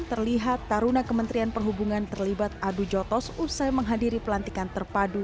terlihat taruna kementerian perhubungan terlibat adu jotos usai menghadiri pelantikan terpadu